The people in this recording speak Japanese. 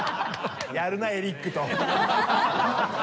「やるなあエリック」と。